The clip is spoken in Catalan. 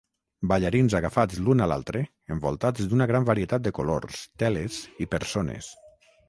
Ballarins agafats l'un a l'altre envoltats d'una gran varietat de colors, teles i persones.